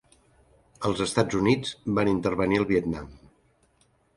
Els Estats Units van intervenir al Vietnam.